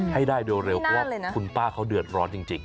ให้ได้เร็วของคุณป้าเขาเดือดร้อนจริง